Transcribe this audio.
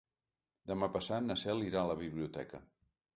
Demà passat na Cel irà a la biblioteca.